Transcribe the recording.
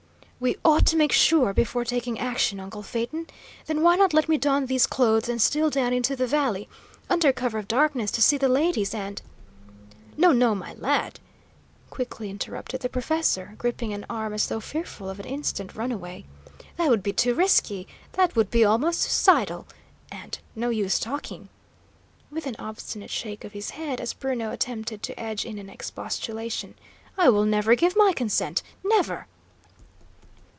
"We ought to make sure before taking action, uncle Phaeton. Then why not let me don these clothes and steal down into the valley, under cover of darkness, to see the ladies and " "No, no, my lad," quickly interrupted the professor, gripping an arm as though fearful of an instant runaway. "That would be too risky; that would be almost suicidal! And no use talking," with an obstinate shake of his head, as Bruno attempted to edge in an expostulation. "I will never give my consent; never!"